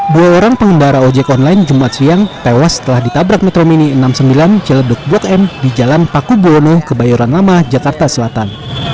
dua orang pengendara ojek online jumat siang tewas setelah ditabrak metro mini enam puluh sembilan ciledug blok m di jalan paku buwono kebayoran lama jakarta selatan